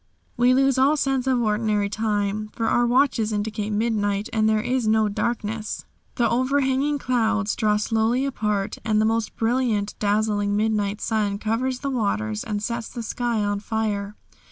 We lose all sense of ordinary time, for our watches indicate midnight, and there is no darkness. The over hanging clouds draw slowly apart, and the most brilliant, dazzling midnight sun covers the waters and sets the sky on fire.